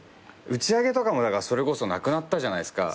打ち上げとかもそれこそなくなったじゃないですか。